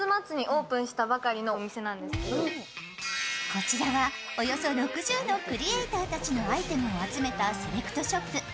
こちらは、およそ６０のクリエイターたちのアイテムを集めたセレクトショップ。